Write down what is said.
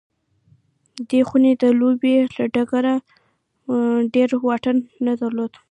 دې خونې د لوبې له ډګره ډېر واټن نه درلود